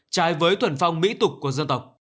trái với thuần phong mỹ tục của dân tộc